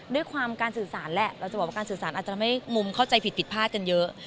ด้วยความการสื่อสารแหละเราจะบอกว่าการสื่อสารอาจจะทำให้มุมเข้าใจผิดผิดพลาดกันเยอะ